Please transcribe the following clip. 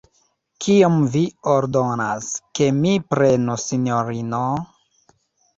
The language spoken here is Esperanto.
Kiom vi ordonas, ke mi prenu, sinjorino?